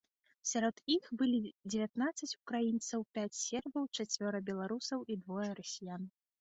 Сярод іх былі дзевятнаццаць украінцаў, пяць сербаў, чацвёра беларусаў і двое расіян.